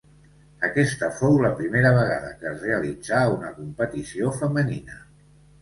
Aquesta fou la primera vegada que es realitzà una competició femenina.